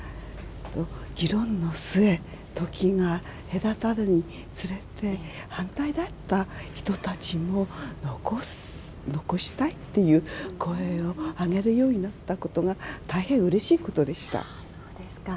議論の末、時が隔たるにつれて、反対だった人たちも残したいっていう声を上げるようになったことそうですか。